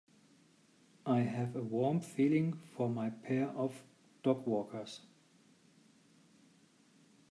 I have a warm feeling for my pair of dogwalkers.